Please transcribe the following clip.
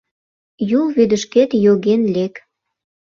Юл вӱдышкет йоген лек.